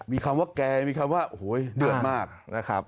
มีคำว่าแกมีคำว่าโอ้โหเดือดมากนะครับ